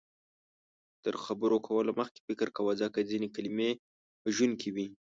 تر خبرو کولو مخکې فکر کوه، ځکه ځینې کلمې وژونکې وي